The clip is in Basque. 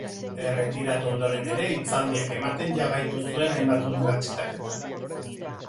Erretiratu ondoren ere, hitzaldiak ematen jarraitu zuen hainbat unibertsitatetan.